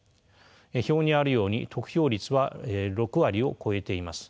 表にあるように得票率は６割を超えています。